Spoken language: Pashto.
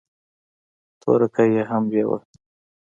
تورکى يې هم بېوه.